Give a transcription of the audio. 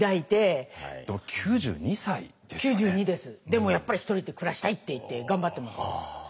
でも「やっぱり一人で暮らしたい」って言って頑張ってます。